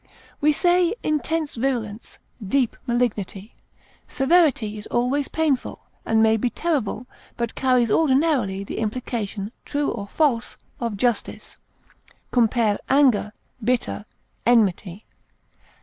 We say intense virulence, deep malignity. Severity is always painful, and may be terrible, but carries ordinarily the implication, true or false, of justice. Compare ANGER; BITTER; ENMITY.